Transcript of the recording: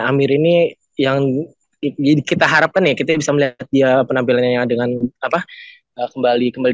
amir ini yang kita harapkan ya kita bisa melihat dia penampilannya dengan apa kembali